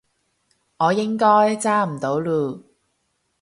我應該揸唔到嚕